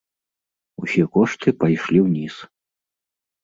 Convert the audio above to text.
Усе кошты пайшлі ўніз.